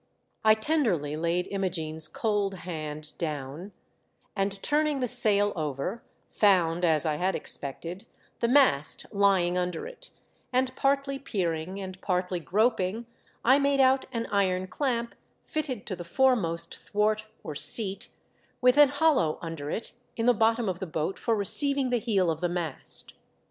I tenderly laid Imogene's cold hand down, and turning the sail over, found — as I had expected — the mast lying under it ; and partly peering and partly groping, I made out an iron clamp fitted to the foremost thwart or seat, with an hollow under it in the I AM ALONE. 503 bottom of the boat for receiving the heel of the mast.